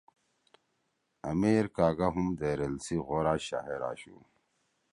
آمیر کاگا ہُم دیریل غورا شاعر آشُو۔